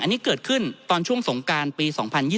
อันนี้เกิดขึ้นตอนช่วงสงการปี๒๐๒๐